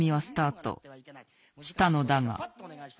したのだが。